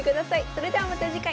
それではまた次回。